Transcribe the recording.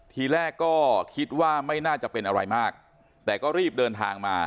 ทีแรกก็คิดว่าไม่น่าจะเป็นอะไรมากแต่ก็รีบเดินทางมา